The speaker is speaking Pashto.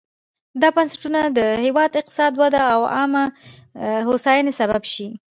دا بنسټونه د هېواد اقتصادي ودې او عامه هوساینې سبب شي.